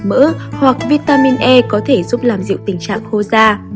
mỡ hoặc vitamin e có thể giúp làm dịu tình trạng khô da